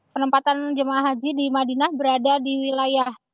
penempatan jemaah haji di madinah berada di wilayah